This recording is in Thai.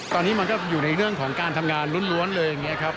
ตอนนี้มันก็อยู่ในเรื่องของการทำงานล้วนเลยอย่างนี้ครับ